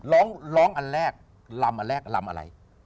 ร้องร้องอันแรกลำอันแรกลำอะไร